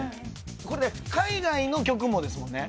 これって海外の曲もですもんね？